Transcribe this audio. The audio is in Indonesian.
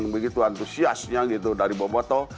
begitu antusiasnya gitu dari boboto